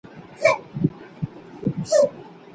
د ښووني پوهنځۍ بې هدفه نه تعقیبیږي.